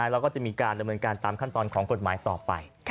แล้วก็จะมีการดำเนินการตามขั้นตอนของกฎหมายต่อไป